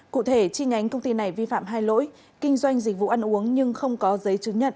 cụ thể chi nhánh công ty này vi phạm hai lỗi kinh doanh dịch vụ ăn uống nhưng không có giấy chứng nhận